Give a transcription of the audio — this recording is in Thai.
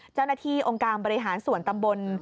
เจ้าหน้าที่องค์การบริหารส่วนตำบล